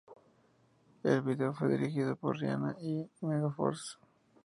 El video fue dirigido por Rihanna y Megaforce.